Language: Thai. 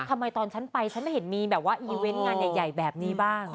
ทำไมตอนฉันไปฉันไม่เห็นมีแบบว่าอีเวนต์งานใหญ่แบบนี้บ้าง